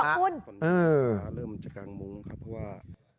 ตอนนี้เริ่มจะกางมุ้งครับเพราะว่า